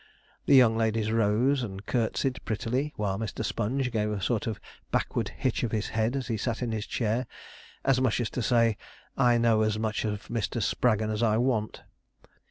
The young ladies rose, and curtsied prettily; while Mr. Sponge gave a sort of backward hitch of his head as he sat in his chair, as much as to say, 'I know as much of Mr. Spraggon as I want.'